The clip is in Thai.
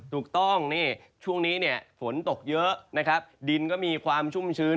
ถูกต้องช่วงนี้ฝนตกเยอะดินก็มีความชุ่มชื้น